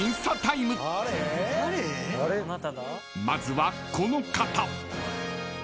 ［まずはこの方］